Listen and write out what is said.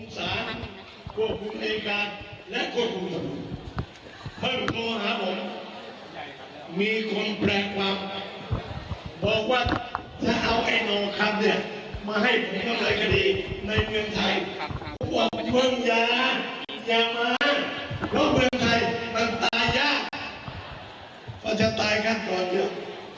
ตายยากก็จะตายกันก่อนเดี๋ยว